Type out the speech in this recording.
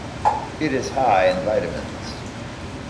It is high in vitamins.